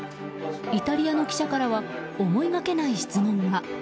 イタリアの記者からは思いがけない質問が。